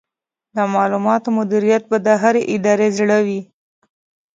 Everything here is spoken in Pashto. د معلوماتو مدیریت به د هرې ادارې زړه وي.